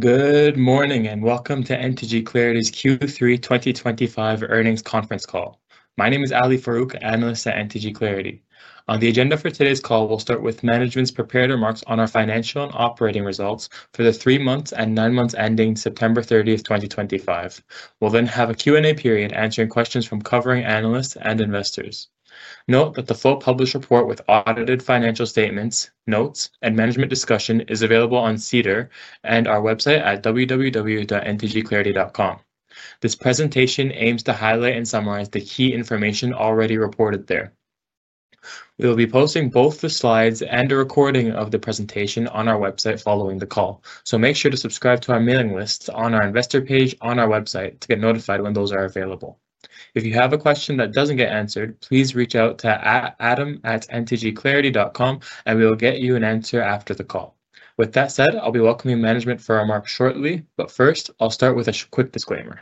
Good morning and welcome to NTG Clarity's Q3 2025 Earnings Conference Call. My name is Ali Farouk, Analyst at NTG Clarity. On the agenda for today's call, we'll start with management's prepared remarks on our financial and operating results for the three months and nine months ending September 30, 2025. We'll then have a Q&A period answering questions from covering analysts and investors. Note that the full published report with audited Financial Statements, Notes, and Management Discussion is available on SEDAR and our website at www.ntgclarity.com. This presentation aims to highlight and summarize the key information already reported there. We will be posting both the slides and a recording of the presentation on our website following the call, so make sure to subscribe to our mailing lists on our investor page on our website to get notified when those are available. If you have a question that does not get answered, please reach out to adam@ntgclarity.com, and we will get you an answer after the call. With that said, I will be welcoming management for our remarks shortly, but first, I will start with a quick disclaimer.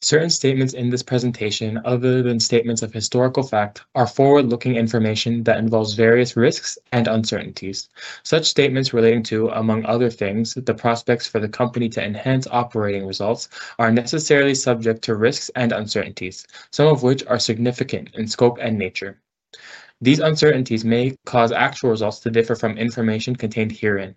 Certain statements in this presentation, other than statements of historical fact, are forward-looking information that involves various risks and uncertainties. Such statements relating to, among other things, the prospects for the company to enhance operating results are necessarily subject to risks and uncertainties, some of which are significant in scope and nature. These uncertainties may cause actual results to differ from information contained herein.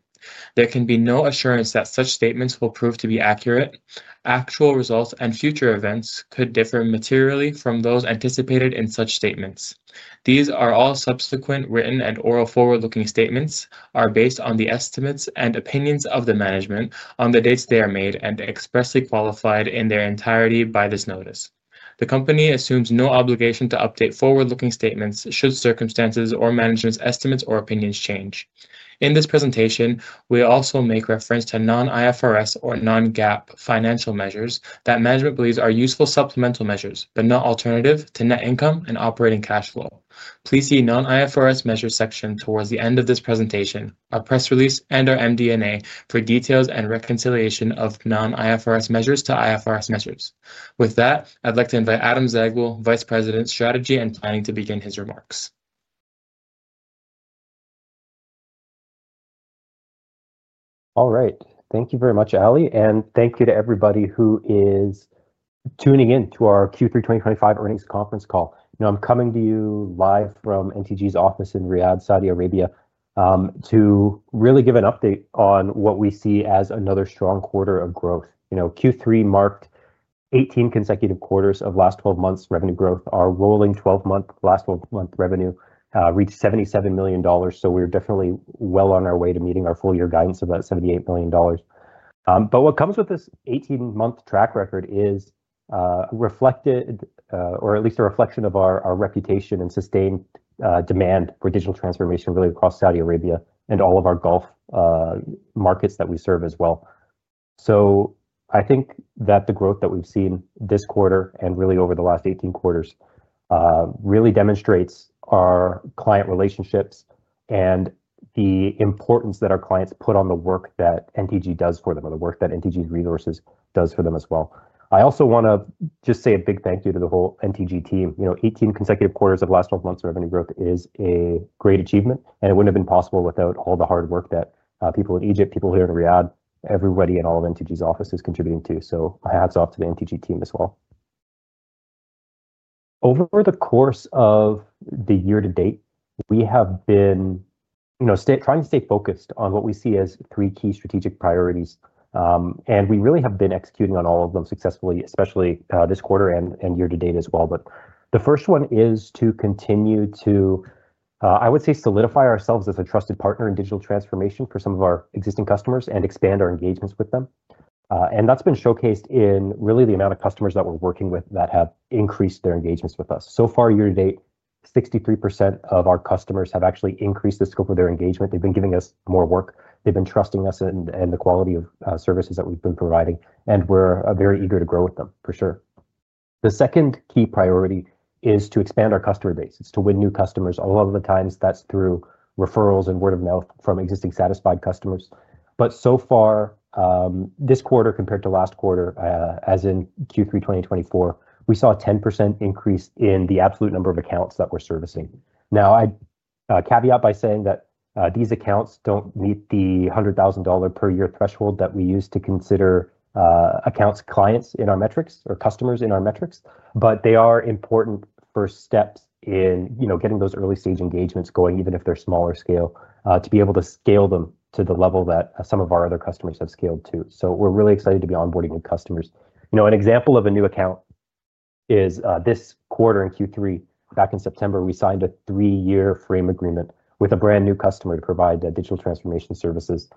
There can be no assurance that such statements will prove to be accurate. Actual results and future events could differ materially from those anticipated in such statements. These are all subsequent written and oral forward-looking statements, are based on the estimates and opinions of the management on the dates they are made and expressly qualified in their entirety by this notice. The company assumes no obligation to update forward-looking statements should circumstances or management's estimates or opinions change. In this presentation, we also make reference to non-IFRS or non-GAAP financial measures that management believes are useful supplemental measures but not alternative to net income and operating cash flow. Please see the non-IFRS measures section towards the end of this presentation, our press release, and our MD&A for details and reconciliation of non-IFRS measures to IFRS measures. With that, I'd like to invite Adam Zaghloul, Vice President Strategy and Planning, to begin his remarks. All right. Thank you very much, Ali, and thank you to everybody who is tuning in to our Q3 2025 Earnings Conference Call. You know, I'm coming to you live from NTG's office in Riyadh, Saudi Arabia, to really give an update on what we see as another strong quarter of growth. You know, Q3 marked 18 consecutive quarters of last 12 months' revenue growth. Our rolling 12-month, last 12-month revenue reached 77 million dollars, so we're definitely well on our way to meeting our full-year guidance of about 78 million dollars. What comes with this 18-month track record is reflected, or at least a reflection of our reputation and sustained demand for digital transformation really across Saudi Arabia and all of our Gulf Markets that we serve as well. I think that the growth that we've seen this quarter and really over the last 18 quarters really demonstrates our client relationships and the importance that our clients put on the work that NTG does for them, or the work that NTG's resources does for them as well. I also want to just say a big thank you to the whole NTG team. You know, 18 consecutive quarters of last 12 months' revenue growth is a great achievement, and it wouldn't have been possible without all the hard work that people in Egypt, people here in Riyadh, everybody in all of NTG's offices is contributing to. My hats off to the NTG team as well. Over the course of the year to date, we have been, you know, trying to stay focused on what we see as three key strategic priorities, and we really have been executing on all of them successfully, especially this quarter and year to date as well. The 1st one is to continue to, I would say, solidify ourselves as a trusted partner in digital transformation for some of our existing customers and expand our engagements with them. That has been showcased in really the amount of customers that we're working with that have increased their engagements with us. So far, year to date, 63% of our customers have actually increased the scope of their engagement. They've been giving us more work. They've been trusting us and the quality of services that we've been providing, and we're very eager to grow with them, for sure. The second key priority is to expand our customer base, is to win new customers. A lot of the times, that's through referrals and word of mouth from existing satisfied customers. But so far, this quarter compared to last quarter, as in Q3 2024, we saw a 10% increase in the absolute number of accounts that we're servicing. Now, I caveat by saying that these accounts don't meet the 100,000 dollar per year threshold that we use to consider accounts clients in our metrics or customers in our metrics, but they are important 1st steps in, you know, getting those early-stage engagements going, even if they're smaller scale, to be able to scale them to the level that some of our other customers have scaled to. So we're really excited to be onboarding new customers. You know, an example of a new account is this quarter in Q3. Back in September, we signed a three-year frame agreement with a brand new customer to provide digital transformation services.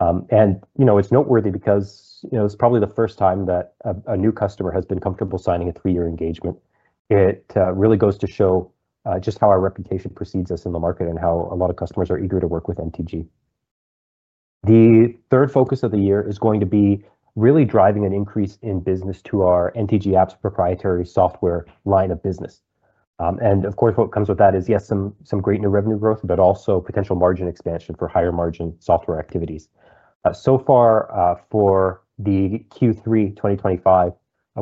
You know, it's noteworthy because, you know, it's probably the 1st time that a new customer has been comfortable signing a three-year engagement. It really goes to show just how our reputation precedes us in the market and how a lot of customers are eager to work with NTG. The third focus of the year is going to be really driving an increase in business to our NTG Apps proprietary software line of business. Of course, what comes with that is, yes, some great new revenue growth, but also potential margin expansion for higher margin software activities. So far, for the Q3 2025,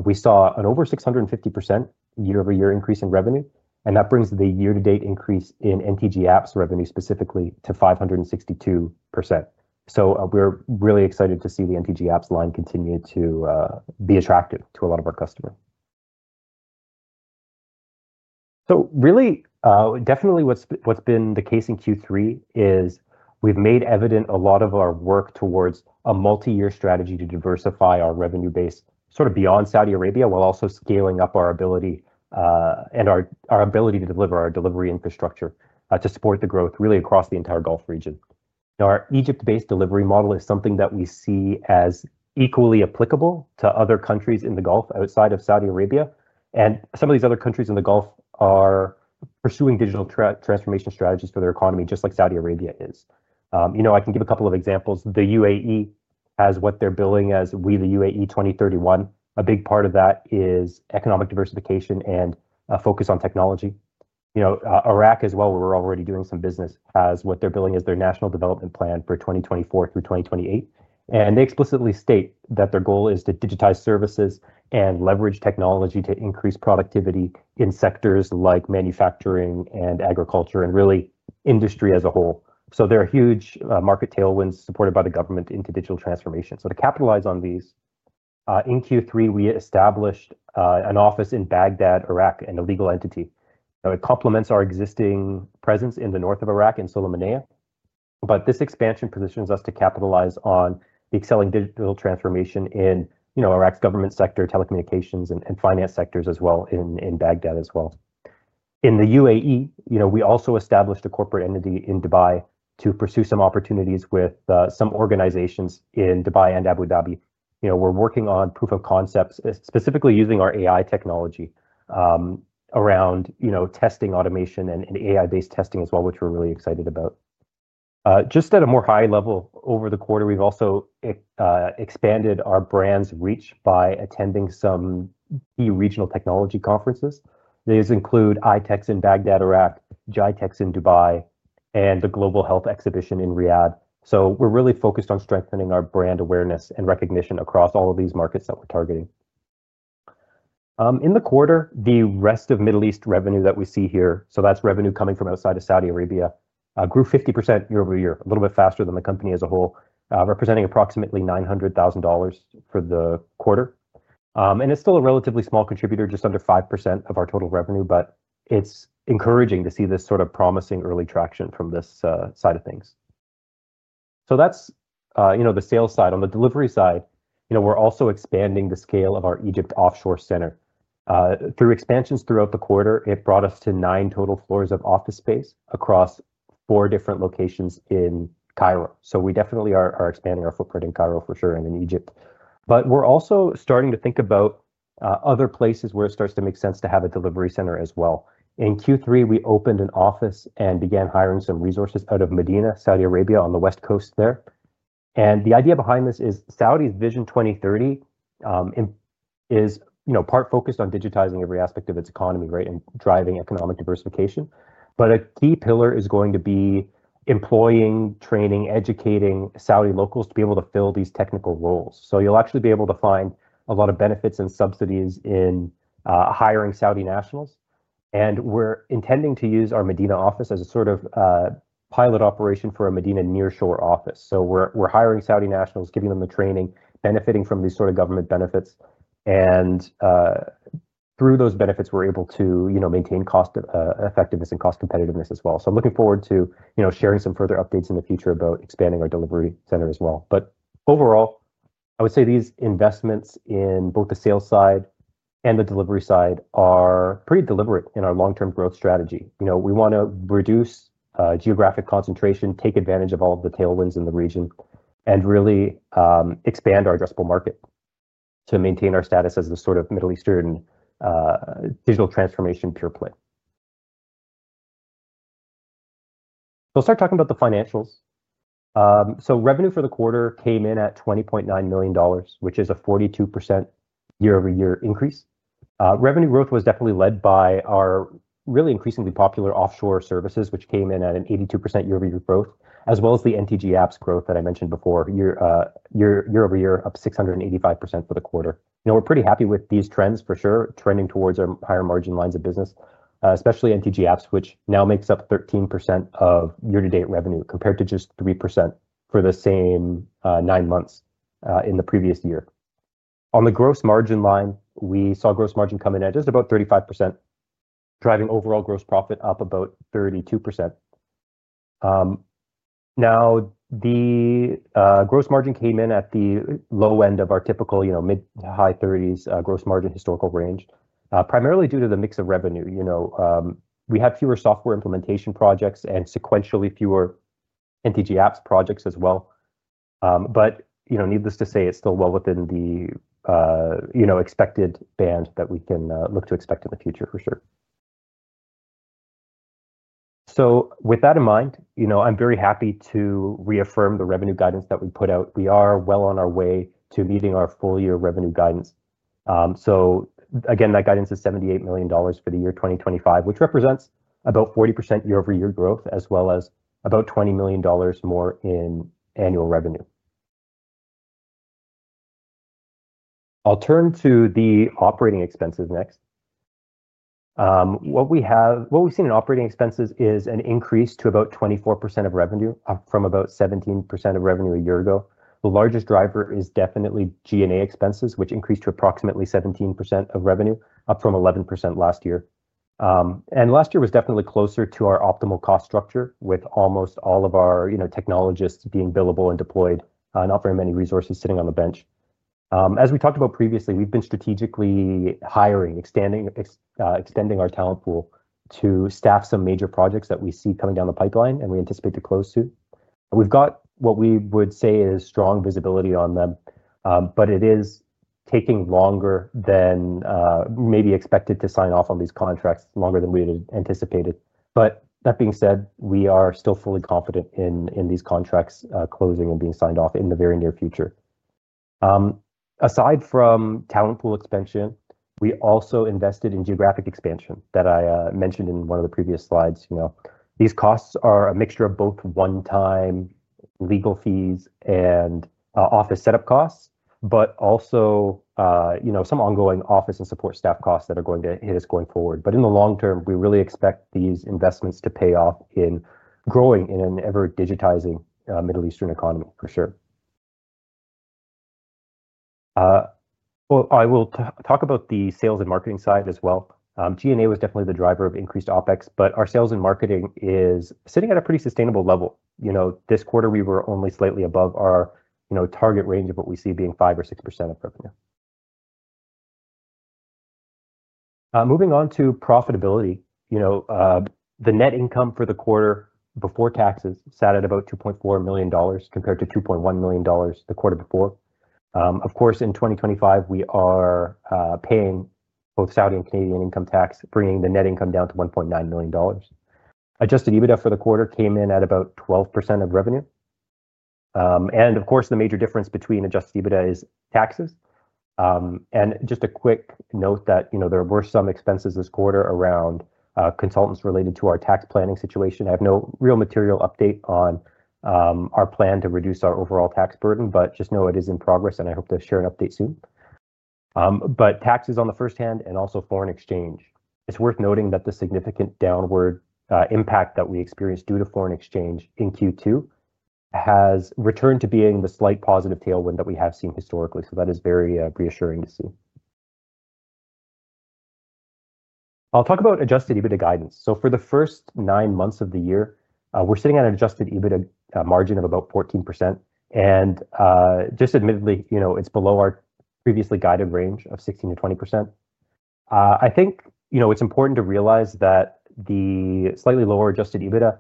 we saw an over 650% year-over-year increase in revenue, and that brings the year-to-date increase in NTG Apps revenue specifically to 562%. We're really excited to see the NTG Apps line continue to be attractive to a lot of our customers. Really, definitely what's been the case in Q3 is we've made evident a lot of our work towards a multi-year strategy to diversify our revenue base sort of beyond Saudi Arabia while also scaling up our ability and our ability to deliver our delivery infrastructure to support the growth really across the entire Gulf region. Now, our Egypt-based delivery model is something that we see as equally applicable to other countries in the Gulf outside of Saudi Arabia. Some of these other countries in the Gulf are pursuing digital transformation strategies for their economy, just like Saudi Arabia is. You know, I can give a couple of examples. The UAE has what they're billing as We, the UAE 2031. A big part of that is economic diversification and a focus on technology. You know, Iraq as well, where we're already doing some business, has what they're billing as their national development plan for 2024 through 2028. They explicitly state that their goal is to digitize services and leverage technology to increase productivity in sectors like manufacturing and agriculture and really industry as a whole. There are huge market tailwinds supported by the government into digital transformation. To capitalize on these, in Q3, we established an office in Baghdad, Iraq, and a legal entity. It complements our existing presence in the north of Iraq in Sulaymaniyah, but this expansion positions us to capitalize on the excelling digital transformation in, you know, Iraq's government sector, telecommunications, and finance sectors as well in Baghdad as well. In the UAE, you know, we also established a corporate entity in Dubai to pursue some opportunities with some organizations in Dubai and Abu Dhabi. You know, we're working on proof of concepts, specifically using our AI technology around, you know, testing automation and AI-based testing as well, which we're really excited about. Just at a more high level, over the quarter, we've also expanded our brand's reach by attending some key regional technology conferences. These include ITEX in Baghdad, Iraq, GITEX in Dubai, and the Global Health Exhibition in Riyadh. We are really focused on strengthening our brand awareness and recognition across all of these markets that we're targeting. In the quarter, the rest of Middle East revenue that we see here, so that's revenue coming from outside of Saudi Arabia, grew 50% year-over-year, a little bit faster than the company as a whole, representing approximately 900,000 dollars for the quarter. It's still a relatively small contributor, just under 5% of our total revenue, but it's encouraging to see this sort of promising early traction from this side of things. That's, you know, the sales side. On the delivery side, you know, we're also expanding the scale of our Egypt offshore center. Through expansions throughout the quarter, it brought us to nine total floors of office space across four different locations in Cairo. We definitely are expanding our footprint in Cairo for sure and in Egypt. We're also starting to think about other places where it starts to make sense to have a delivery center as well. In Q3, we opened an office and began hiring some resources out of Madinah, Saudi Arabia, on the west coast there. The idea behind this is Saudi's Vision 2030 is, you know, part focused on digitizing every aspect of its economy, right, and driving economic diversification. A key pillar is going to be employing, training, educating Saudi locals to be able to fill these technical roles. You'll actually be able to find a lot of benefits and subsidies in hiring Saudi nationals. We're intending to use our Madinah office as a sort of Pilot Operation for a Madinah nearshore office. We're hiring Saudi nationals, giving them the training, benefiting from these sort of government benefits. Through those benefits, we're able to, you know, maintain cost effectiveness and cost competitiveness as well. I'm looking forward to, you know, sharing some further updates in the future about expanding our delivery center as well. Overall, I would say these investments in both the sales side and the delivery side are pretty deliberate in our long-term growth strategy. You know, we want to reduce geographic concentration, take advantage of all of the tailwinds in the region, and really expand our addressable market to maintain our status as the sort of Middle Eastern digital transformation pure play. I'll start talking about the financials. Revenue for the quarter came in at 20.9 million dollars, which is a 42% year-over-year increase. Revenue growth was definitely led by our really increasingly popular offshore services, which came in at an 82% year-over-year growth, as well as the NTG Apps growth that I mentioned before, year-over-year up 685% for the quarter. You know, we're pretty happy with these trends for sure, trending towards our higher margin lines of business, especially NTG Apps, which now makes up 13% of year-to-date revenue compared to just 3% for the same nine months in the previous year. On the gross margin line, we saw gross margin come in at just about 35%, driving overall gross profit up about 32%. Now, the gross margin came in at the low end of our typical, you know, mid-to-high 30s gross margin historical range, primarily due to the mix of revenue. You know, we had fewer software implementation projects and sequentially fewer NTG Apps projects as well. You know, needless to say, it's still well within the, you know, expected band that we can look to expect in the future for sure. With that in mind, you know, I'm very happy to reaffirm the revenue guidance that we put out. We are well on our way to meeting our full-year revenue guidance. Again, that guidance is 78 million dollars for the year 2025, which represents about 40% year-over-year growth, as well as about 20 million dollars more in annual revenue. I'll turn to the Operating Expenses next. What we have, what we've seen in Operating Expenses is an increase to about 24% of revenue, up from about 17% of revenue a year ago. The largest driver is definitely G&A expenses, which increased to approximately 17% of revenue, up from 11% last year. Last year was definitely closer to our optimal cost structure, with almost all of our, you know, technologists being billable and deployed and not very many resources sitting on the bench. As we talked about previously, we've been strategically hiring, extending our talent pool to staff some major projects that we see coming down the pipeline, and we anticipate to close to. We've got what we would say is strong visibility on them, but it is taking longer than maybe expected to sign off on these contracts, longer than we had anticipated. That being said, we are still fully confident in these contracts closing and being signed off in the very near future. Aside from talent pool expansion, we also invested in geographic expansion that I mentioned in one of the previous slides. You know, these costs are a mixture of both one-time legal fees and office setup costs, but also, you know, some ongoing office and support staff costs that are going to hit us going forward. In the long term, we really expect these investments to pay off in growing in an ever-digitizing Middle Eastern economy for sure. I will talk about the sales and marketing side as well. G&A was definitely the driver of increased OpEx, but our sales and marketing is sitting at a pretty sustainable level. You know, this quarter, we were only slightly above our, you know, target range of what we see being 5% or 6% of revenue. Moving on to profitability, you know, the net income for the quarter before taxes sat at about 2.4 million dollars compared to 2.1 million dollars the quarter before. Of course, in 2025, we are paying both Saudi and Canadian income tax, bringing the net income down to 1.9 million dollars. Adjusted EBITDA for the quarter came in at about 12% of revenue. The major difference between adjusted EBITDA is taxes. And just a quick note that, you know, there were some expenses this quarter around consultants related to our tax planning situation. I have no real material update on our plan to reduce our overall tax burden, but just know it is in progress, and I hope to share an update soon. Taxes on the first hand and also foreign exchange. It's worth noting that the significant downward impact that we experienced due to foreign exchange in Q2 has returned to being the slight positive tailwind that we have seen historically. That is very reassuring to see. I'll talk about adjusted EBITDA guidance. For the first nine months of the year, we're sitting at an adjusted EBITDA margin of about 14%. Just admittedly, you know, it's below our previously guided range of 16%-20%. I think, you know, it's important to realize that the slightly lower adjusted EBITDA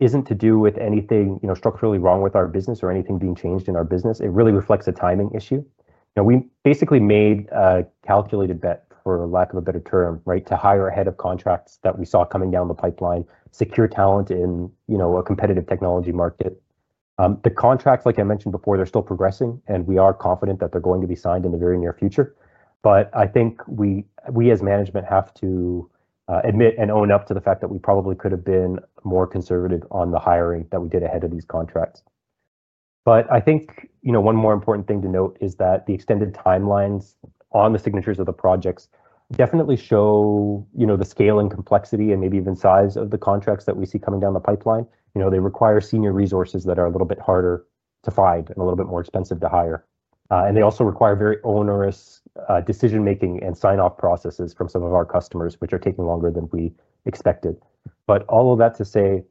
isn't to do with anything, you know, structurally wrong with our business or anything being changed in our business. It really reflects a timing issue. You know, we basically made a calculated bet, for lack of a better term, right, to hire ahead of contracts that we saw coming down the pipeline, secure talent in, you know, a competitive technology market. The contracts, like I mentioned before, they're still progressing, and we are confident that they're going to be signed in the very near future. I think we as management have to admit and own up to the fact that we probably could have been more conservative on the hiring that we did ahead of these contracts. I think, you know, one more important thing to note is that the extended timelines on the signatures of the projects definitely show, you know, the scale and complexity and maybe even size of the contracts that we see coming down the pipeline. You know, they require senior resources that are a little bit harder to find and a little bit more expensive to hire. They also require very onerous decision-making and sign-off processes from some of our customers, which are taking longer than we expected. All of that to say,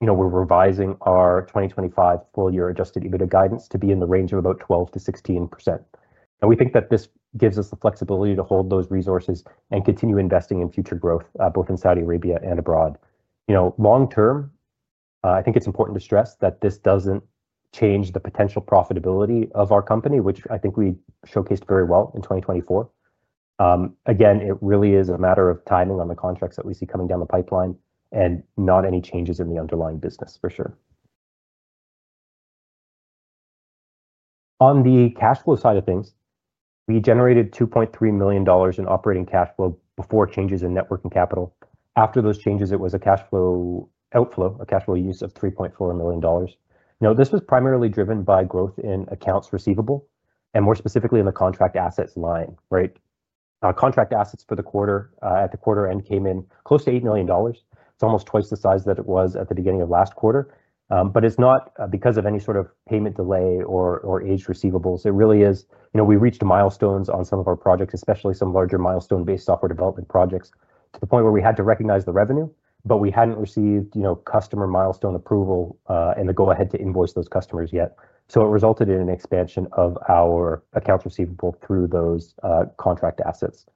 you know, we're revising our 2025 full-year adjusted EBITDA guidance to be in the range of about 12%-16%. We think that this gives us the flexibility to hold those resources and continue investing in future growth, both in Saudi Arabia and abroad. You know, long term, I think it's important to stress that this doesn't change the potential profitability of our company, which I think we showcased very well in 2024. Again, it really is a matter of timing on the contracts that we see coming down the pipeline and not any changes in the underlying business for sure. On the cash flow side of things, we generated $2.3 million in operating cash flow before changes in net working capital. After those changes, it was a cash flow outflow, a cash flow use of $3.4 million. This was primarily driven by growth in Accounts Receivable and more specifically in the contract assets line, right? Contract assets for the quarter at the quarter end came in close to $8 million. It's almost twice the size that it was at the beginning of last quarter. But it's not because of any sort of payment delay or aged receivables. It really is, you know, we reached milestones on some of our projects, especially some larger milestone-based Software Development Projects, to the point where we had to recognize the revenue, but we hadn't received, you know, customer milestone approval and the go-ahead to invoice those customers yet. It resulted in an expansion of our Accounts Receivable through those contract assets.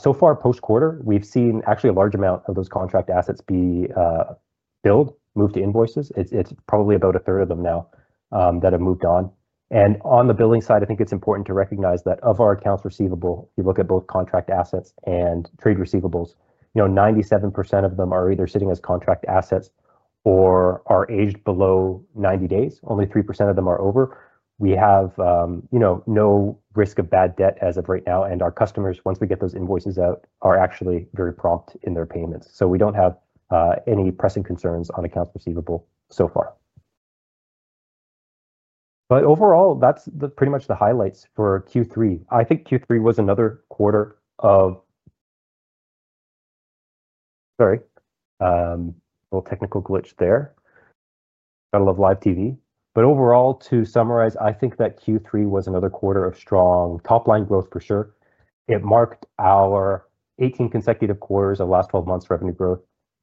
So far, post-quarter, we've seen actually a large amount of those contract assets be billed, moved to invoices. It's probably about a third of them now that have moved on. On the billing side, I think it's important to recognize that of our Accounts Receivable, if you look at both contract assets and trade receivables, you know, 97% of them are either sitting as contract assets or are aged below 90 days. Only 3% of them are over. We have, you know, no risk of bad debt as of right now. Our customers, once we get those invoices out, are actually very prompt in their payments. We don't have any pressing concerns on Accounts Receivable so far. Overall, that's pretty much the highlights for Q3. I think Q3 was another quarter of—sorry, a little technical glitch there. Got to love live TV. Overall, to summarize, I think that Q3 was another quarter of strong top-line growth for sure. It marked our 18 consecutive quarters of last 12 months' revenue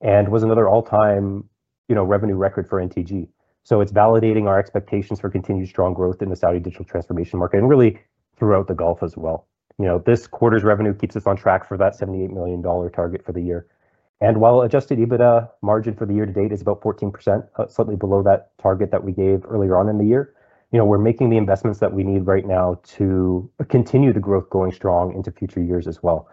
growth and was another all-time, you know, revenue record for NTG. It is validating our expectations for continued strong growth in the Saudi digital transformation market and really throughout the Gulf as well. You know, this quarter's revenue keeps us on track for that 78 million dollar target for the year. While adjusted EBITDA margin for the year-to-date is about 14%, slightly below that target that we gave earlier on in the year, you know, we're making the investments that we need right now to continue the growth going strong into future years as well.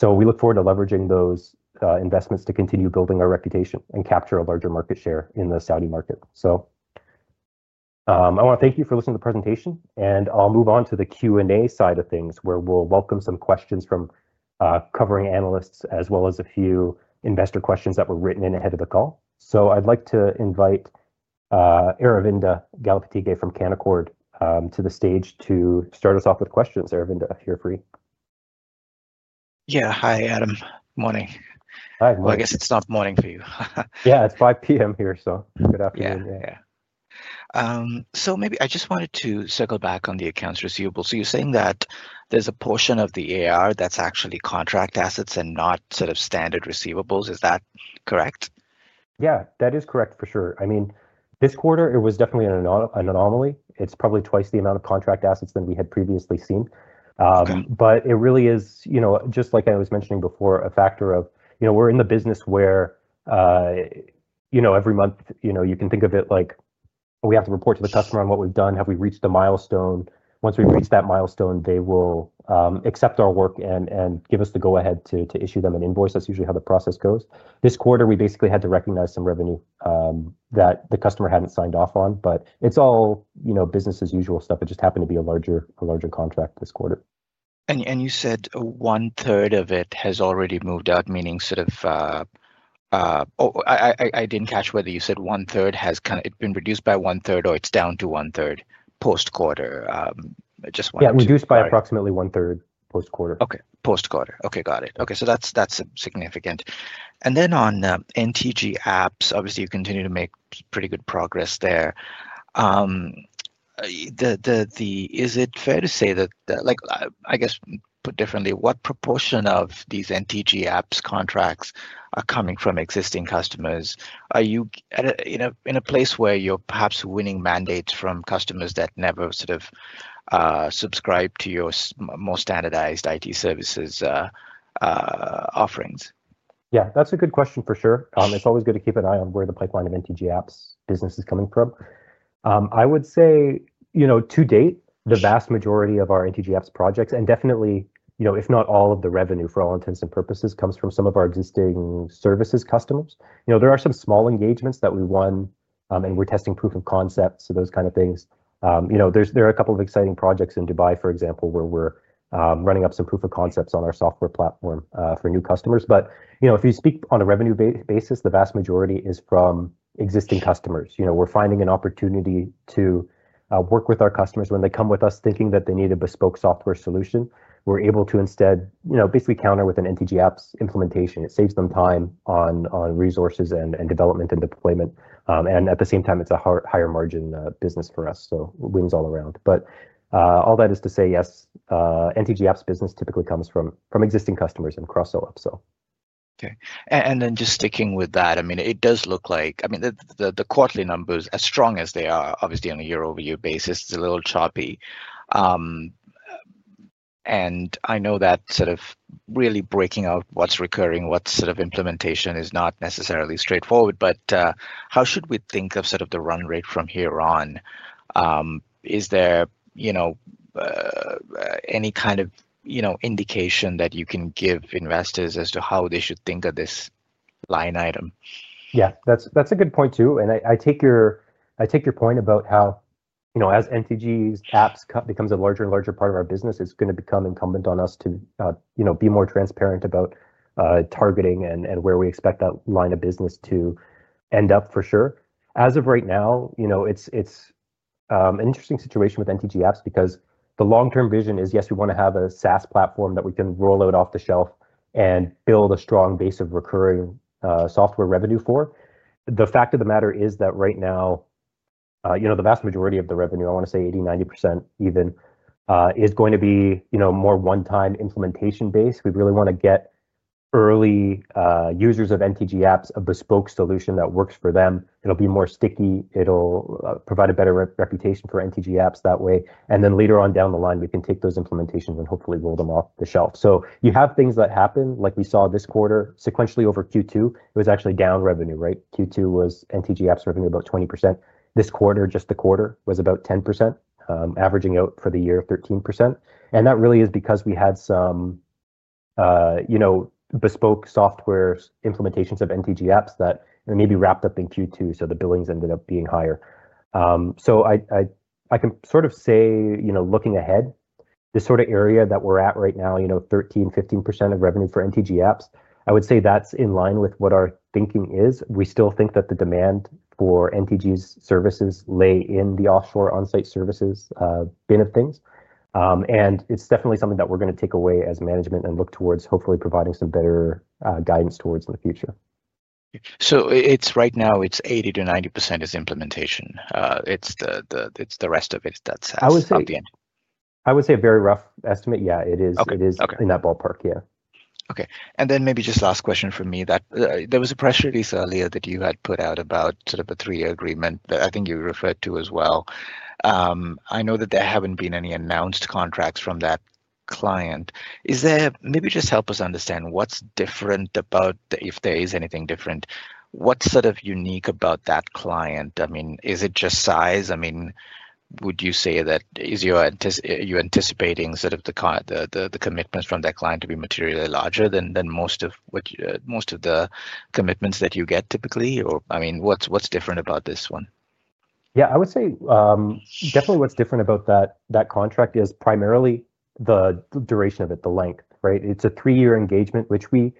We look forward to leveraging those investments to continue building our reputation and capture a larger market share in the Saudi market. I want to thank you for listening to the presentation, and I'll move on to the Q&A side of things, where we'll welcome some questions from covering Analysts as well as a few Investor questions that were written in ahead of the call. I'd like to invite Aravinda Galappatthige from Canaccord to the stage to start us off with questions. Aravinda, feel free. Yeah. Hi, Adam. Morning. Hi. Morning. I guess it's not morning for you. Yeah, it's 5:00 P.M. here, so good afternoon. Yeah. Yeah. Maybe I just wanted to circle back on the Accounts Receivable. You're saying that there's a portion of the AR that's actually contract assets and not sort of standard receivables. Is that correct? Yeah, that is correct for sure. I mean, this quarter, it was definitely an anomaly. It's probably twice the amount of contract assets than we had previously seen. It really is, you know, just like I was mentioning before, a factor of, you know, we're in the business where, you know, every month, you know, you can think of it like, we have to report to the customer on what we've done. Have we reached the milestone? Once we reach that milestone, they will accept our work and give us the go-ahead to issue them an invoice. That's usually how the process goes. This quarter, we basically had to recognize some revenue that the customer hadn't signed off on. It is all, you know, business-as-usual stuff. It just happened to be a larger contract this quarter. You said 1/3 of it has already moved out, meaning sort of—I didn't catch whether you said 1/3 has kind of been reduced by 1/3 or it's down to 1/3 post-quarter. Just wanted to— Yeah, reduced by approximately 1/3 post-quarter. Okay. Post-quarter. Okay. Got it. Okay. That's significant. On NTG Apps, obviously, you continue to make pretty good progress there. Is it fair to say that, like, I guess put differently, what proportion of these NTG Apps contracts are coming from existing customers? Are you in a place where you're perhaps winning mandates from customers that never sort of subscribe to your more Standardized IT Services Offerings? Yeah, that's a good question for sure. It's always good to keep an eye on where the pipeline of NTG Apps business is coming from. I would say, you know, to date, the vast majority of our NTG Apps projects, and definitely, you know, if not all of the revenue, for all intents and purposes, comes from some of our existing services customers. You know, there are some small engagements that we've won, and we're testing proof of concepts and those kind of things. You know, there are a couple of exciting projects in Dubai, for example, where we're running up some proof of concepts on our Software Platform for new customers. You know, if you speak on a revenue basis, the vast majority is from existing customers. You know, we're finding an opportunity to work with our customers when they come with us thinking that they need a bespoke software solution. We're able to instead, you know, basically counter with an NTG Apps implementation. It saves them time on resources and development and deployment. At the same time, it's a higher margin business for us, so wins all around. All that is to say, yes, NTG Apps business typically comes from existing customers and Cross-sell Upsell. Okay. Just sticking with that, I mean, it does look like, I mean, the quarterly numbers, as strong as they are, obviously on a year-over-year basis, it's a little choppy. I know that sort of really breaking out what's recurring, what sort of implementation is not necessarily straightforward, but how should we think of sort of the run rate from here on? Is there, you know, any kind of, you know, indication that you can give investors as to how they should think of this line item? Yeah, that's a good point too. I take your point about how, you know, as NTG Apps becomes a larger and larger part of our business, it's going to become incumbent on us to, you know, be more transparent about targeting and where we expect that line of business to end up for sure. As of right now, you know, it's an interesting situation with NTG Apps because the long-term vision is, yes, we want to have a SaaS platform that we can roll out off the shelf and build a strong base of recurring Software Revenue for. The fact of the matter is that right now, you know, the vast majority of the revenue, I want to say 80%-90% even, is going to be, you know, more one-time implementation base. We really want to get early users of NTG Apps a bespoke solution that works for them. It'll be more sticky. It'll provide a better reputation for NTG Apps that way. Later on down the line, we can take those implementations and hopefully roll them off the shelf. You have things that happen, like we saw this quarter. Sequentially over Q2, it was actually down revenue, right? Q2 was NTG Apps revenue about 20%. This quarter, just the quarter, was about 10%, averaging out for the year 13%. That really is because we had some, you know, bespoke software implementations of NTG Apps that maybe wrapped up in Q2, so the billings ended up being higher. I can sort of say, you know, looking ahead, this sort of area that we're at right now, you know, 13%-15% of revenue for NTG Apps, I would say that's in line with what our thinking is. We still think that the demand for NTG's services lay in the offshore onsite services bin of things. And it's definitely something that we're going to take away as management and look towards hopefully providing some better guidance towards in the future. Right now, it's 80%-90% is implementation. It's the rest of it that's at the end. I would say a very rough estimate. Yeah, it is in that ballpark. Yeah. Okay. Maybe just last question for me, that there was a Press Release earlier that you had put out about sort of a three-year agreement that I think you referred to as well. I know that there have not been any announced contracts from that client. Is there maybe just help us understand what's different about, if there is anything different, what's sort of unique about that client? I mean, is it just size? I mean, would you say that you're anticipating sort of the commitments from that client to be materially larger than most of the commitments that you get typically? Or I mean, what's different about this one? Yeah, I would say definitely what's different about that contract is primarily the duration of it, the length, right? It's a three-year engagement, which we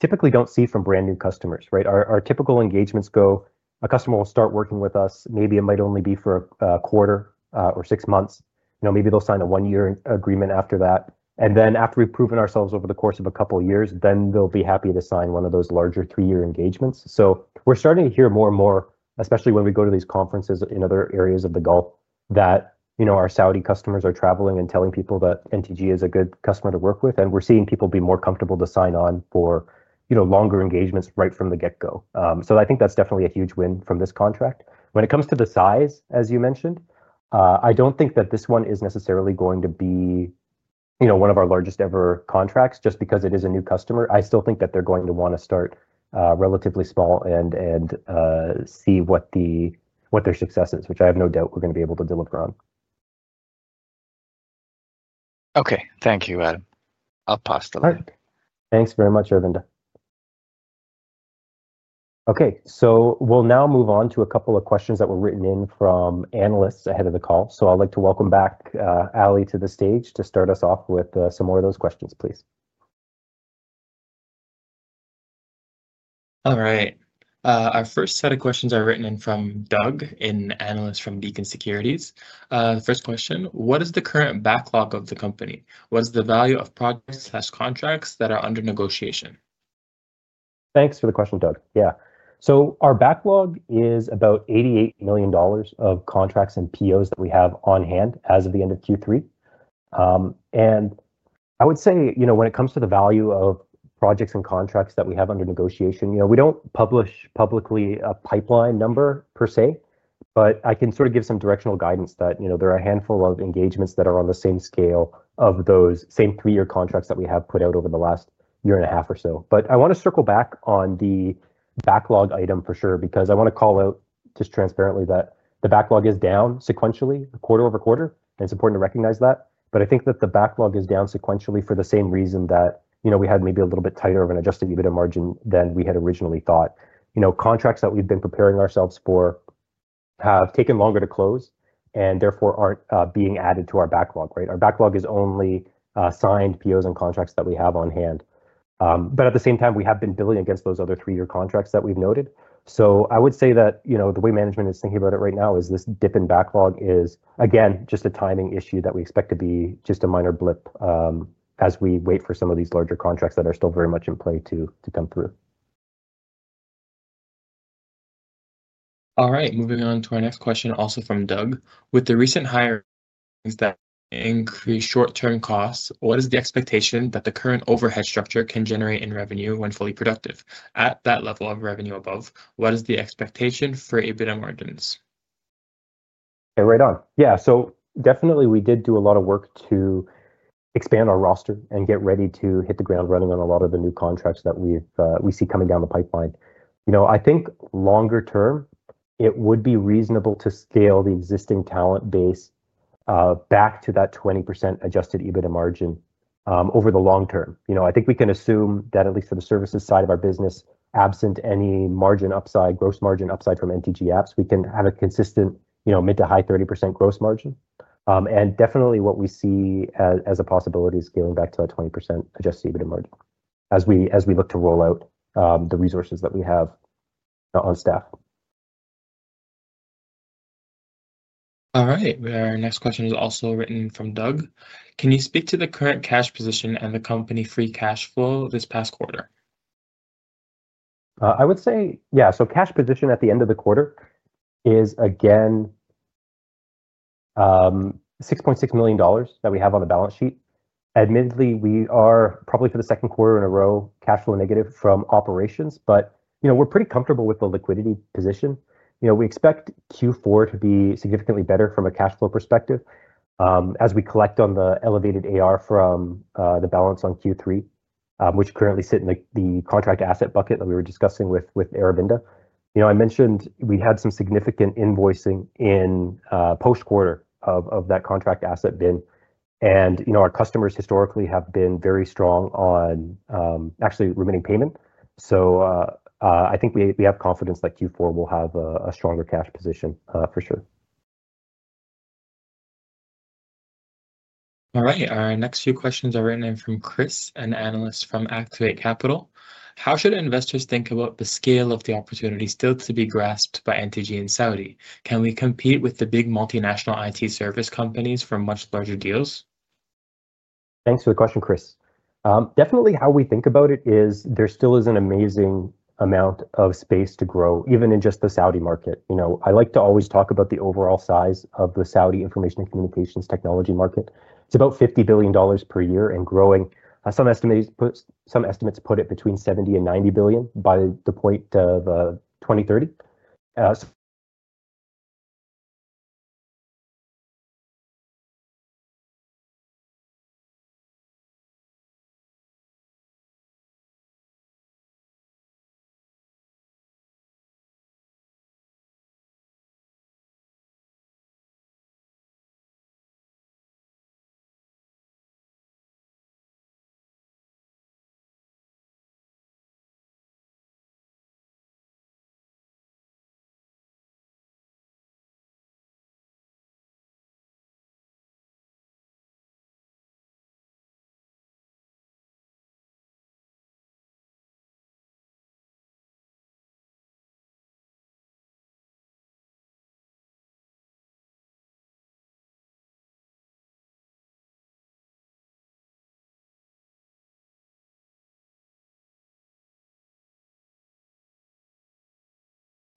typically don't see from brand new customers, right? Our typical engagements go, a customer will start working with us, maybe it might only be for a quarter or six months. You know, maybe they'll sign a one-year agreement after that. And then after we've proven ourselves over the course of a couple of years, then they'll be happy to sign one of those larger three-year engagements. We're starting to hear more and more, especially when we go to these conferences in other areas of the Gulf, that, you know, our Saudi customers are traveling and telling people that NTG is a good customer to work with. We're seeing people be more comfortable to sign on for, you know, longer engagements right from the get-go. I think that's definitely a huge win from this contract. When it comes to the size, as you mentioned, I don't think that this one is necessarily going to be, you know, one of our largest ever contracts just because it is a new customer. I still think that they're going to want to start relatively small and see what their success is, which I have no doubt we're going to be able to deliver on. Okay. Thank you, Adam. I'll pass the line. All right. Thanks very much, Aravinda. Okay. We'll now move on to a couple of questions that were written in from Analysts ahead of the call. I'd like to welcome back Ali to the stage to start us off with some more of those questions, please. All right. Our 1st set of questions are written in from Doug, an Analyst from Beacon Securities. First question, what is the current backlog of the company? What is the value of projects/contracts that are under negotiation? Thanks for the question, Doug. Yeah. Our backlog is about 88 million dollars of contracts and POs that we have on hand as of the end of Q3. I would say, you know, when it comes to the value of projects and contracts that we have under negotiation, you know, we do not publish publicly a pipeline Number Per Se, but I can sort of give some directional guidance that, you know, there are a handful of engagements that are on the same scale of those same three-year contracts that we have put out over the last year and a half or so. I want to circle back on the backlog item for sure because I want to call out just transparently that the backlog is down sequentially quarter over quarter, and it is important to recognize that. I think that the backlog is down sequentially for the same reason that, you know, we had maybe a little bit tighter of an adjusted EBITDA margin than we had originally thought. You know, contracts that we've been preparing ourselves for have taken longer to close and therefore aren't being added to our backlog, right? Our backlog is only signed POs and contracts that we have on hand. At the same time, we have been billing against those other three-year contracts that we've noted. I would say that, you know, the way management is thinking about it right now is this dip in backlog is, again, just a timing issue that we expect to be just a minor blip as we wait for some of these larger contracts that are still very much in play to come through. All right. Moving on to our next question, also from Doug. With the recent hiring that increased short-term costs, what is the expectation that the current overhead structure can generate in revenue when fully productive? At that level of revenue above, what is the expectation for EBITDA margins? Right on. Yeah. So definitely we did do a lot of work to expand our roster and get ready to hit the ground running on a lot of the new contracts that we see coming down the pipeline. You know, I think longer term, it would be reasonable to scale the existing talent base back to that 20% adjusted EBITDA margin over the long term. You know, I think we can assume that at least for the services side of our business, absent any margin upside, gross margin upside from NTG Apps, we can have a consistent, you know, mid to high 30% gross margin. And definitely what we see as a possibility is scaling back to that 20% adjusted EBITDA margin as we look to roll out the resources that we have on staff. All right. Our next question is also written from Doug. Can you speak to the current cash position and the company Free Cash Flow this past quarter? I would say, yeah. So cash position at the end of the quarter is, again, 6.6 million dollars that we have on the balance sheet. Admittedly, we are probably for the 2nd quarter in a Row Cash Flow negative from operations, but, you know, we're pretty comfortable with the liquidity position. You know, we expect Q4 to be significantly better from a Cash Flow perspective as we collect on the elevated AR from the balance on Q3, which currently sit in the contract asset bucket that we were discussing with Aravinda. You know, I mentioned we had some significant invoicing in post-quarter of that contract asset bin. And, you know, our customers historically have been very strong on actually remaining payment. I think we have confidence that Q4 we'll have a stronger cash position for sure. All right. Our next few questions are written in from Chris, an Analyst from Activate Capital. How should investors think about the scale of the opportunity still to be grasped by NTG and Saudi? Can we compete with the Big Multinational IT service companies for much larger deals? Thanks for the question, Chris. Definitely how we think about it is there still is an amazing amount of space to grow, even in just the Saudi market. You know, I like to always talk about the overall size of the Saudi information and communications technology market. It's about 50 billion dollars per year and growing. Some estimates put it between 70 billion-90 billion by the point of 2030.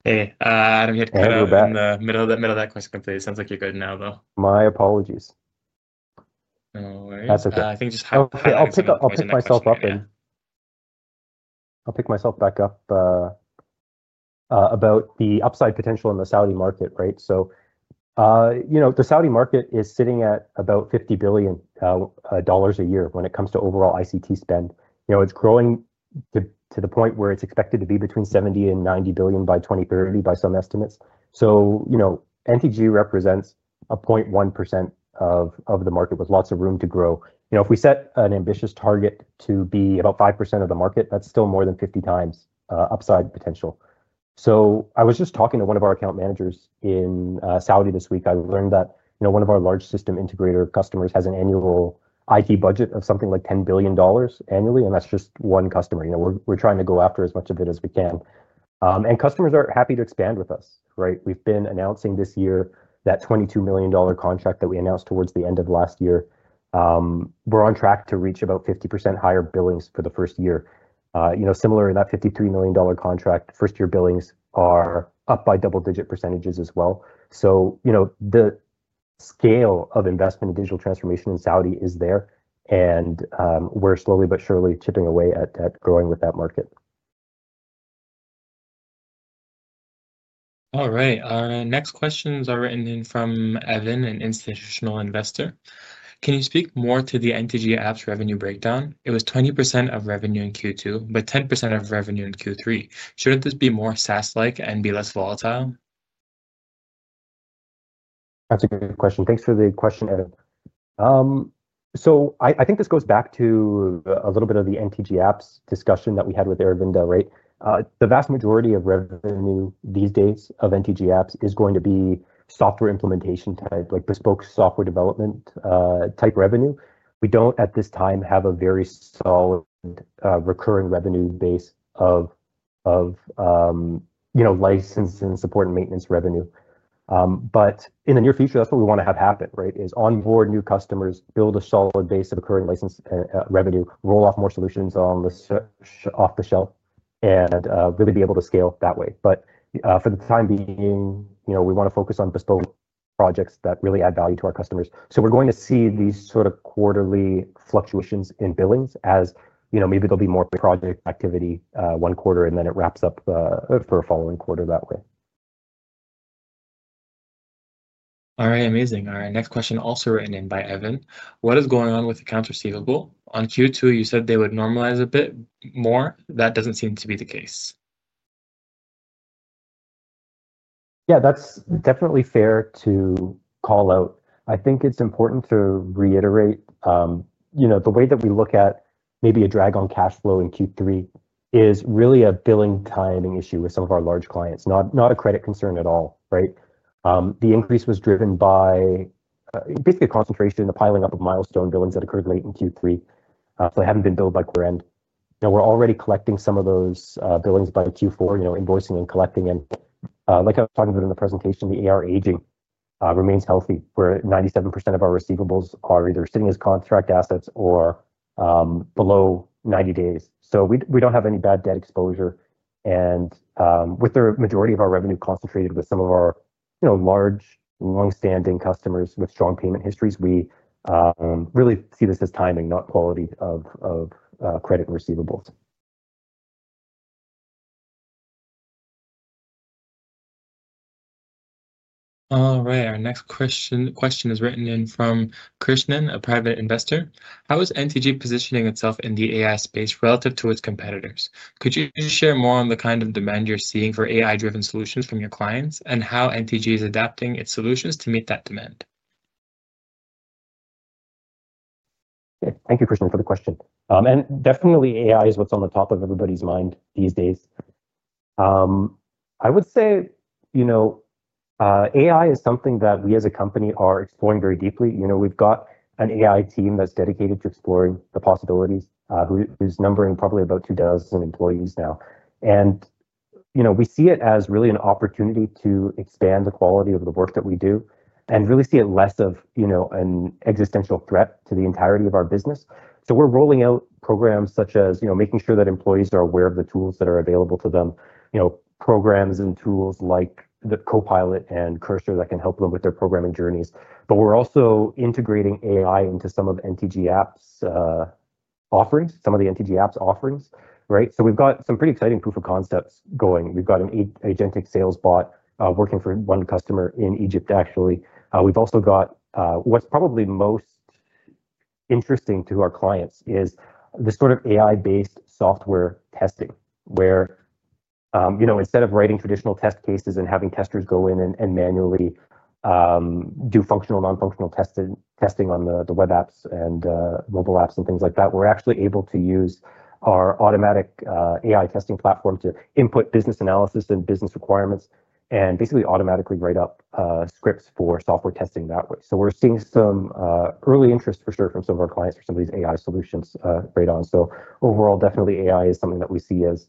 Hey, I didn't hear back. Middle of that question comes to you. Sounds like you're good now, though. My apologies. All right. That's okay. I think just I'll pick myself up and I'll pick myself back up about the upside potential in the Saudi market, right? You know, the Saudi market is sitting at about 50 billion dollars a year when it comes to overall ICT spend. You know, it's growing to the point where it's expected to be between 70 billion and 90 billion by 2030 by some estimates. You know, NTG represents a 0.1% of the market with lots of room to grow. You know, if we set an ambitious target to be about 5% of the market, that's still more than 50 times upside potential. I was just talking to one of our Account Managers in Saudi this week. I learned that, you know, one of our Large System Integrator Customers has an annual IT budget of something like $10 billion annually, and that's just one customer. You know, we're trying to go after as much of it as we can. And customers are happy to expand with us, right? We've been announcing this year that 22 million dollar contract that we announced towards the end of last year. We're on track to reach about 50% higher billings for the 1st year. You know, similar in that 53 million dollar contract, 1st-year billings are up by double-digit percentages as well. The scale of investment in digital transformation in Saudi is there, and we're slowly but surely chipping away at growing with that market. All right. Our next questions are written in from Evan and Institutional Investor. Can you speak more to the NTG Apps revenue breakdown? It was 20% of revenue in Q2, but 10% of revenue in Q3. Shouldn't this be more SaaS-like and be less volatile? That's a good question. Thanks for the question, Evan. I think this goes back to a little bit of the NTG Apps discussion that we had with Eravinda, right? The vast majority of revenue these days of NTG Apps is going to be software implementation type, like bespoke software development type revenue. We don't at this time have a very solid recurring revenue base of, you know, license and support and maintenance revenue. In the near future, that's what we want to have happen, right? Is onboard new customers, build a solid base of recurring license revenue, roll off more solutions on the off the shelf, and really be able to scale that way. For the time being, you know, we want to focus on bespoke projects that really add value to our customers. We are going to see these sort of quarterly fluctuations in billings as, you know, maybe there will be more project activity one quarter, and then it wraps up for a following quarter that way. All right. Amazing. Our next question also written in by Evan. What is going on with Accounts Receivable? On Q2, you said they would normalize a bit more. That does not seem to be the case. Yeah, that is definitely fair to call out. I think it is important to reiterate, you know, the way that we look at maybe a drag on cash flow in Q3 is really a billing timing issue with some of our large clients, not a credit concern at all, right? The increase was driven by basically concentration and the piling up of milestone billings that occurred late in Q3. They have not been billed by quarter end. Now we are already collecting some of those billings by Q4, you know, invoicing and collecting. Like I was talking about in the presentation, the AR aging remains healthy where 97% of our receivables are either sitting as contract assets or below 90 days. We do not have any bad debt exposure. With the majority of our revenue concentrated with some of our, you know, large, long-standing customers with strong payment histories, we really see this as timing, not quality of credit and receivables. All right. Our next question is written in from Krishnan, a Private Investor. How is NTG positioning itself in the AI space relative to its competitors? Could you share more on the kind of demand you're seeing for AI-driven solutions from your clients and how NTG is adapting its solutions to meet that demand? Thank you, Krishnan, for the question. AI is what's on the top of everybody's mind these days. I would say, you know, AI is something that we as a company are exploring very deeply. You know, we've got an AI team that's dedicated to exploring the possibilities, who's numbering probably about two dozen employees now. You know, we see it as really an opportunity to expand the quality of the work that we do and really see it less of, you know, an existential threat to the entirety of our business. We're rolling out programs such as, you know, making sure that employees are aware of the tools that are available to them, you know, programs and tools like Copilot and Cursor that can help them with their programming journeys. We're also integrating AI into some of NTG Apps' offerings, some of the NTG Apps' offerings, right? We've got some pretty exciting proof of concepts going. We've got an agentic salesbot working for one customer in Egypt, actually. We've also got what's probably most interesting to our clients is the sort of AI-based software testing where, you know, instead of writing traditional test cases and having testers go in and manually do Functional, Non-functional Testing on the Web Apps and Mobile Apps and things like that, we're actually able to use our Automatic AI Testing Platform to Input Business Analysis and Business Requirements and basically automatically write up scripts for Software Testing that way. We're seeing some early interest for sure from some of our clients for some of these AI solutions right on. Overall, definitely AI is something that we see as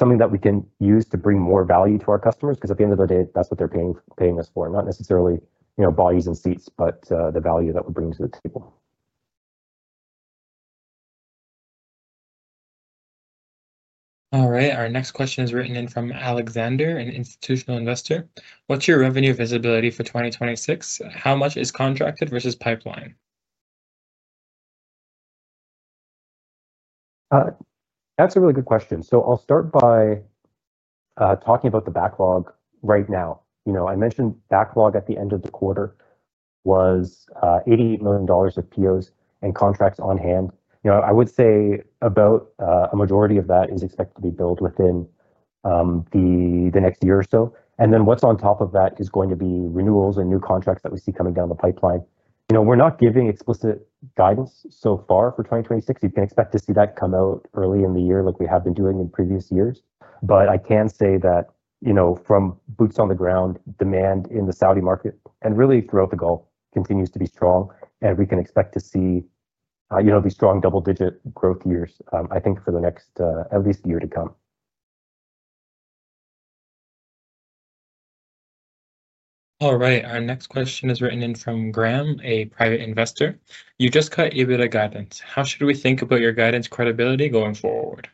something that we can use to bring more value to our customers because at the end of the day, that's what they're paying us for, not necessarily, you know, bodies and seats, but the value that we bring to the table. All right. Our next question is written in from Alexander, an Institutional Investor. What's your revenue visibility for 2026? How much is contracted versus pipeline? That's a really good question. I'll start by talking about the backlog right now. You know, I mentioned backlog at the end of the quarter was 88 million dollars of POs and contracts on hand. I would say about a majority of that is expected to be billed within the next year or so. What's on top of that is going to be renewals and new contracts that we see coming down the pipeline. We're not giving explicit guidance so far for 2026. You can expect to see that come out early in the year like we have been doing in previous years. I can say that, you know, from boots on the ground, demand in the Saudi market and really throughout the Gulf continues to be strong. We can expect to see, you know, these strong double-digit growth years, I think, for the next at least year to come. All right. Our next question is written in from Graham, a Private Investor. You just got EBITDA guidance. How should we think about your guidance credibility going forward?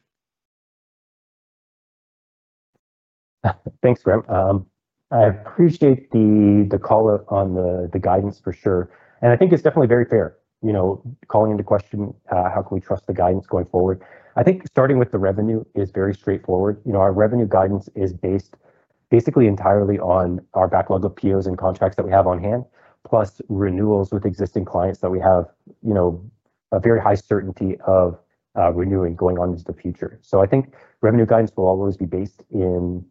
Thanks, Graham. I appreciate the call out on the guidance for sure. I think it's definitely very fair, you know, calling into question, how can we trust the guidance going forward? I think starting with the revenue is very straightforward. You know, our revenue guidance is based basically entirely on our backlog of POs and contracts that we have on hand, plus renewals with existing clients that we have, you know, a very high certainty of renewing going on into the future. I think revenue guidance will always be based in,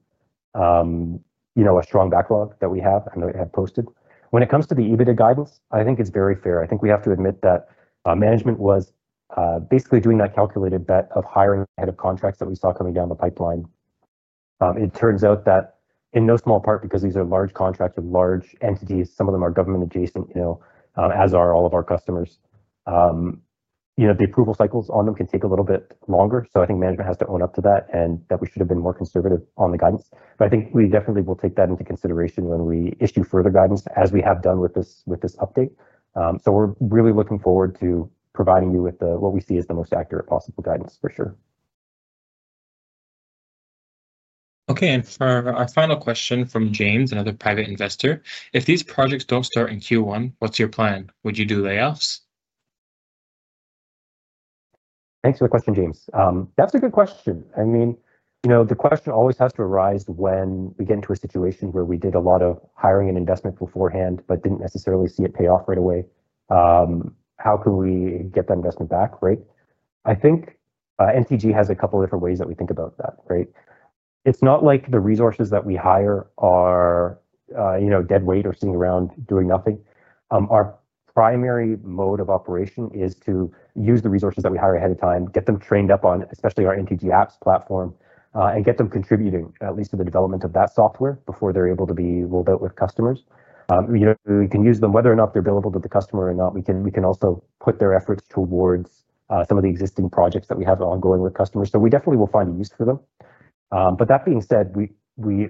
you know, a strong backlog that we have and that we have posted. When it comes to the EBITDA guidance, I think it's very fair. I think we have to admit that management was basically doing that calculated bet of hiring ahead of contracts that we saw coming down the pipeline. It turns out that in no small part because these are large contracts with large entities, some of them are government-adjacent, you know, as are all of our customers. You know, the approval cycles on them can take a little bit longer. I think management has to own up to that and that we should have been more conservative on the guidance. I think we definitely will take that into consideration when we issue further guidance as we have done with this update. We are really looking forward to providing you with what we see as the most accurate possible guidance for sure. Okay. For our final question from James, another Private Investor, if these projects do not start in Q1, what is your plan? Would you do layoffs? Thanks for the question, James. That is a good question. I mean, you know, the question always has to arise when we get into a situation where we did a lot of hiring and investment beforehand but did not necessarily see it pay off right away. How can we get that investment back, right? I think NTG has a couple of different ways that we think about that, right? It's not like the resources that we hire are, you know, dead weight or sitting around doing nothing. Our primary mode of operation is to use the resources that we hire ahead of time, get them trained up on especially our NTG Apps platform, and get them contributing at least to the development of that software before they're able to be rolled out with customers. You know, we can use them whether or not they're billable to the customer or not. We can also put their efforts towards some of the existing projects that we have ongoing with customers. We definitely will find a use for them. That being said, we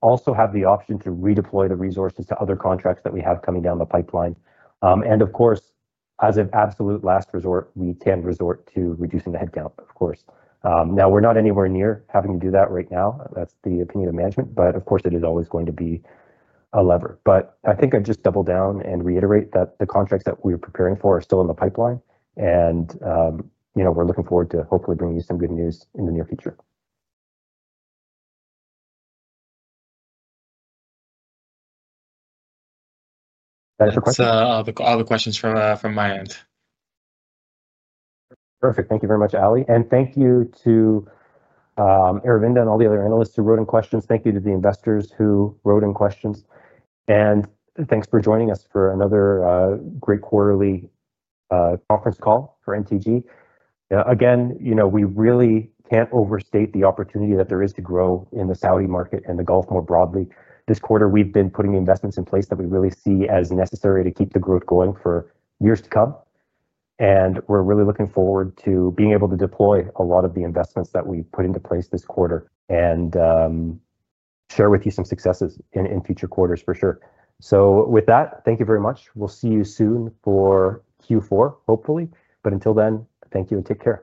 also have the option to redeploy the resources to other contracts that we have coming down the pipeline. Of course, as an absolute last resort, we can resort to reducing the headcount, of course. Now we're not anywhere near having to do that right now. That's the opinion of management. Of course, it is always going to be a lever. I think I'd just double down and reiterate that the contracts that we're preparing for are still in the pipeline. You know, we're looking forward to hopefully bringing you some good news in the near future. That's the question. That's all the questions from my end. Perfect. Thank you very much, Ali. Thank you to Aravinda and all the other analysts who wrote in questions. Thank you to the investors who wrote in questions. Thanks for joining us for another great quarterly conference call for NTG Clarity. Again, you know, we really can't overstate the opportunity that there is to grow in the Saudi market and the Gulf more broadly. This quarter, we've been putting investments in place that we really see as necessary to keep the growth going for years to come. We're really looking forward to being able to deploy a lot of the investments that we've put into place this quarter and share with you some successes in future quarters for sure. With that, thank you very much. We'll see you soon for Q4, hopefully. Until then, thank you and take care.